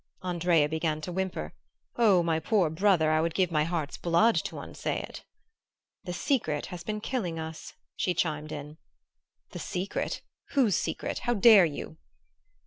"Andrea began to whimper. 'Oh, my poor brother, I would give my heart's blood to unsay it!' "'The secret has been killing us,' she chimed in. "'The secret? Whose secret? How dare you